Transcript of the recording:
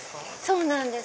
そうなんです。